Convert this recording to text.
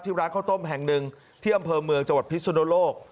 ร้านข้าวต้มแห่งหนึ่งที่อำเภอเมืองจังหวัดพิสุนโลก